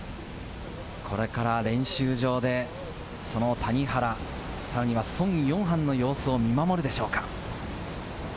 これから練習場でその谷原、さらにはソン・ヨンハンの様子を見守るでしょうか？